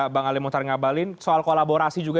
bang ali muhtar ngabalin soal kolaborasi juga